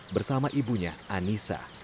bersama ibunya anissa